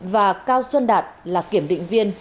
và cao xuân đạt là kiểm định viên